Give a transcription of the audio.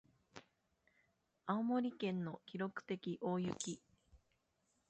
青森県の記録的大雪